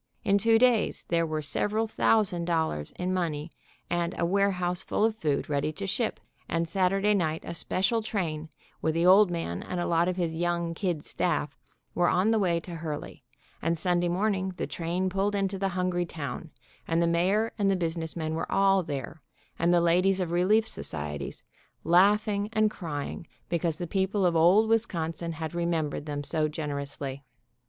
In two days there were several thousand dollars in money and a warehouse full of food ready to ship, and Saturday night a special train, with the "old man" and a lot of his young kid staff, were on the way to Hurley, and Sunday morning the train pulled into the hungry town, and the mayor and the business men were all there, and the ladies of relief societies, laughing and crying because the people of old Wis consin had remembered them so generously.